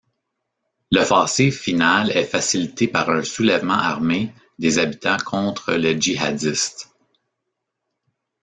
L'offensive finale est facilitée par un soulèvement armé des habitants contre les djihadistes.